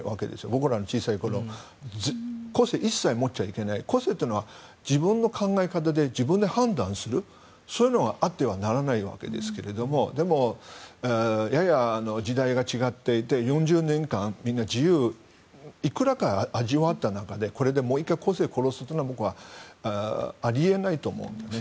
僕らの小さい頃個性は一切持っちゃいけない個性というのは自分の考え方で、自分で判断するそういうのがあってはならないわけですけどでも、やや時代が違っていて４０年間みんな自由をいくらか味わった中でこれでもう１回個性を殺すのは僕はあり得ないと思うので。